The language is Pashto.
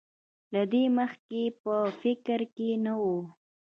له دې مخکې یې په فکر کې نه وو.